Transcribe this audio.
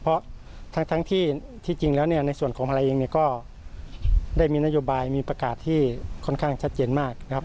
เพราะทั้งที่จริงแล้วเนี่ยในส่วนของอะไรเองเนี่ยก็ได้มีนโยบายมีประกาศที่ค่อนข้างชัดเจนมากนะครับ